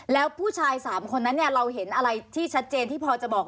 แล้วผู้ชาย๓คนนั้นเนี่ยเราเห็นอะไรที่ชัดเจนที่พอจะบอก